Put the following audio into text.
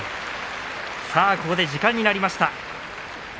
さあ、ここで時間になりました。